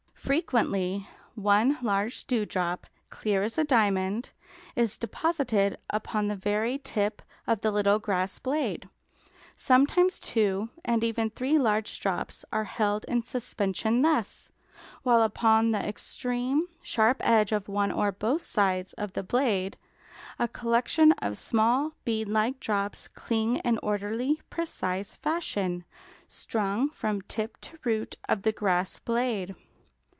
Frequently one large dewdrop, clear as a diamond, is deposited upon the very tip of the little grass blade, sometimes two and even three large drops are held in suspension thus, while upon the extreme sharp edge of one or both sides of the blade a collection of small, bead like drops cling in orderly, precise fashion, strung from tip to root of the grass blade.